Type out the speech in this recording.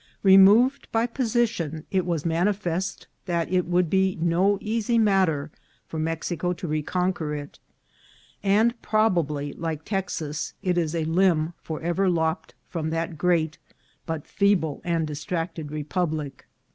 Removed by position, it was manifest that it would be no easy matter for Mexico to reconquer it ; and probably, like Texas, it is a limb for ever lopped from that great, but feeble and distracted republic.